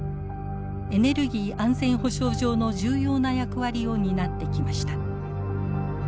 エネルギー安全保障上の重要な役割を担ってきました。